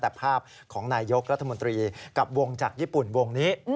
แต่ภาพของนายยกรัฐมนตรีกับวงจากญี่ปุ่นวงนี้